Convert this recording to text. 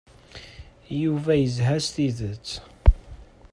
Yuba yezha s tidet.